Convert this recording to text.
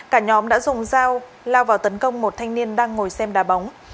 cả nhóm đã dùng dao lao vào tấn công một thanh niên đang ngồi xem đà bóng